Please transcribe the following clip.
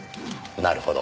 なるほど。